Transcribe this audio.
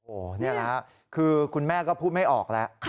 โอ้นี่นะครับคือคุณแม่ก็พูดไม่ออกแล้ว